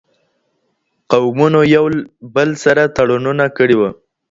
قومونو یو بل سره تړونونه کړي وو.